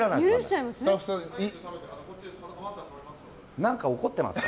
何か怒ってますか？